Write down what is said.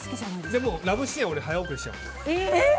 でも、ラブシーンは早送りしちゃう。